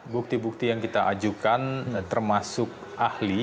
bukti bukti yang kita ajukan termasuk ahli